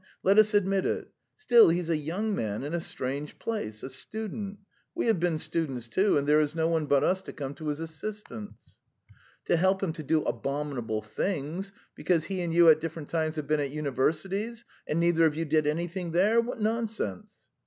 "Let us admit it. ... Still, he's a young man in a strange place ... a student. We have been students, too, and there is no one but us to come to his assistance." "To help him to do abominable things, because he and you at different times have been at universities, and neither of you did anything there! What nonsense!"